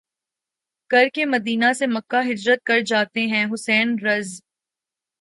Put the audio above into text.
کرکے مدینہ سے مکہ ہجرت کر جاتے ہیں حسین رض